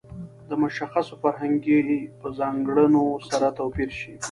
د مشخصو فرهنګي په ځانګړنو سره توپیر شي.